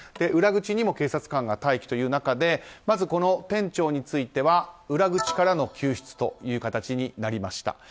裏口にも警察官が待機という中でまず、店長については裏口からの救出となりました。